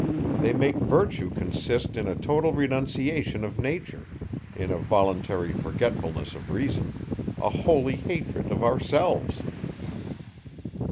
They make virtue consist in a total renunciation of nature, in a voluntary forgetfulness of reason, a holy hatred of ourselves.